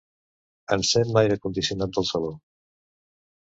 Encén l'aire condicionat del saló.